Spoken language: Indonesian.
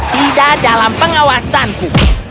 tidak dalam pengawasanku